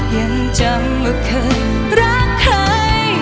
ยังจำไม่เคยรักใคร